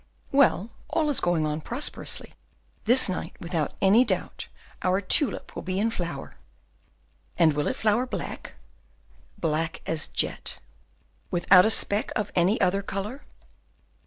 "Well, all is going on prosperously. This night, without any doubt, our tulip will be in flower." "And will it flower black?" "Black as jet." "Without a speck of any other colour."